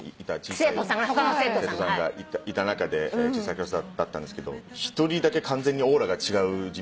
生徒さんがいた中で小さいクラスだったんですけど１人だけ完全にオーラが違う人物。